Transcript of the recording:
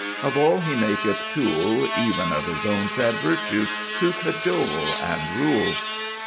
Of all he maketh tool, Even of his own sad virtues, to cajole and rule.